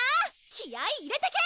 気合い入れてけ！